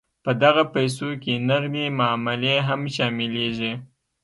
په دغه پیسو کې نغدې معاملې هم شاملیږي.